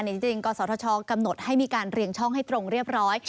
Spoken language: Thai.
จริงกศธชกำหนดให้มีการเรียงช่องให้ตรงเรียบร้อย